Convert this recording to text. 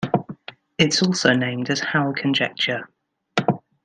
It's also named as Howe conjecture.